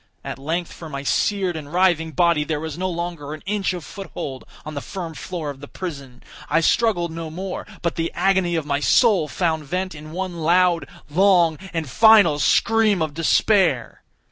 At length for my seared and writhing body there was no longer an inch of foothold on the firm floor of the prison. I struggled no more, but the agony of my soul found vent in one loud, long, and final scream of despair.